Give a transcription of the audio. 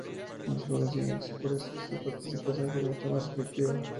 En los Juegos siguientes, por eso, su participación fue mucho más efectiva.